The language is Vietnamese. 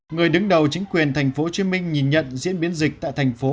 người đứng đầu chính quyền tp hcm nhìn nhận diễn biến dịch tại thành phố